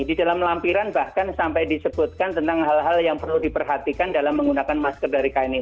di dalam lampiran bahkan sampai disebutkan tentang hal hal yang perlu diperhatikan dalam menggunakan masker dari knk